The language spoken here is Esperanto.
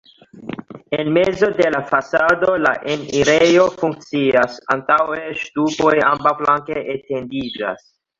En mezo de la fasado la enirejo funkcias, antaŭe ŝtupoj ambaŭflanke etendiĝas.